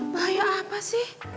bahaya apa sih